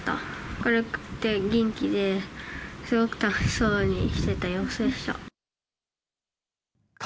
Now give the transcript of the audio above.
明るくて元気で、すごく楽しそうにしてた様子でした。